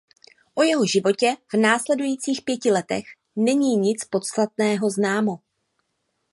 O jeho životě v následujících pěti letech není nic podstatného známo.